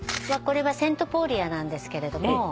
これはセントポーリアなんですけど。